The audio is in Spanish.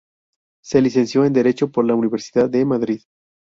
Se licenció en Derecho por la Universidad de Madrid.